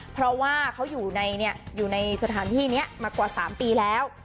เพราะว่าเขาอยู่ในสถานที่นี้มากว่า๓ปีแล้ว